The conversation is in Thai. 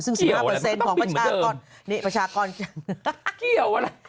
ซึ่ง๑๕เปอร์เซ็นต์ของประชากรนี่ประชากรกี้่วอ่ะล่ะ